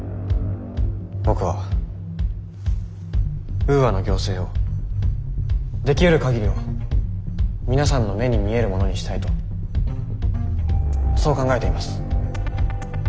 僕はウーアの行政をできうる限りを皆さんの目に見えるものにしたいとそう考えています。